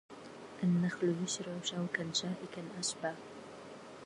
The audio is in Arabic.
النخل يشرع شوكا شائكا أشبا